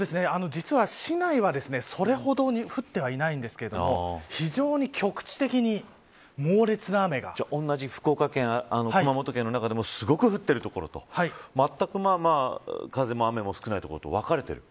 実は市内はそれほどに降ってはいないんですけれども非常に局地的に同じ福岡県や熊本県の中でもすごく降っている所とまったく、風も雨も少ない所と分かれている。